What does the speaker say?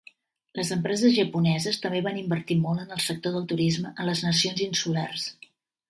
Les empreses japoneses també van invertir molt en el sector del turisme a les nacions insulars.